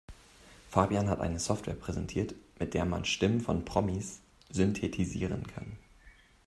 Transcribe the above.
Fabian hat eine Software präsentiert, mit der man Stimmen von Promis synthetisieren kann.